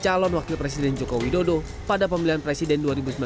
calon wakil presiden joko widodo pada pemilihan presiden dua ribu sembilan belas